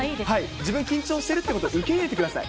自分、緊張してるということを受け入れてください。